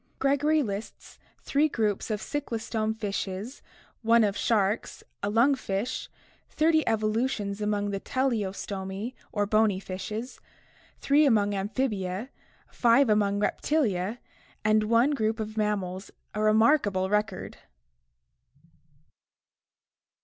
Gregory lists three groups of cyclostome fishes, one of sharks, a lung fish, thirty evolutions among the Teleostomi or bony fishes, three among Amphibia, five among Reptilia, and one group of mammals, a remarkable record.